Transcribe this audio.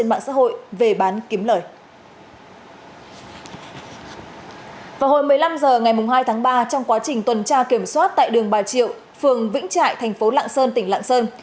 vào hồi một mươi năm h ngày hai tháng ba trong quá trình tuần tra kiểm soát tại đường bà triệu phường vĩnh trại thành phố lạng sơn tỉnh lạng sơn